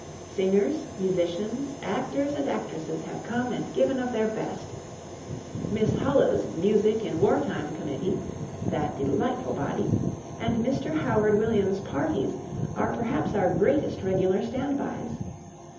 Singers, musicians, actors and actresses have come and given of their best. Miss Hullah's Music in War Time Committee (that delightful body), and Mr. Howard Williams's parties, are perhaps our greatest regular standbys.